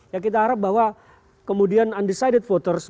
ya kita harap bahwa kemudian undecided voters